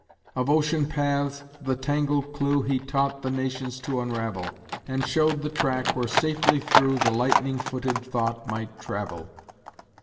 Of ocean paths, the tangled clew He taught the nations to unravel; And showed the track where safely through The lightning footed thought might travel.